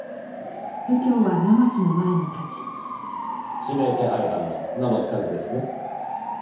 指名手配犯の生木拓ですね？